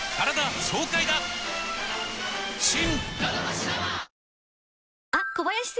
新！